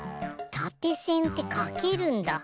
たてせんってかけるんだ。